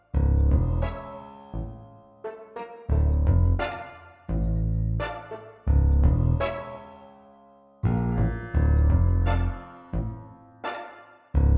saya harus anda tahu bahwa alien terdapat pasti ingin menyebabkan saya mengundur